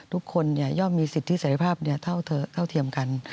ทุกคนยอมมีสิทธิ์ศาสตริภาพเท่าเทียมกัน